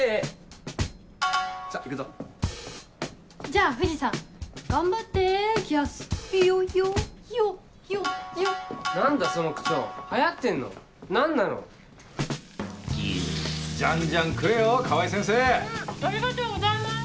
ありがとうございます！